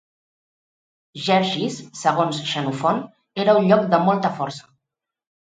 Gergis, segons Xenofont, era un lloc de molta força.